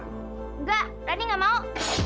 nggak rani nggak mau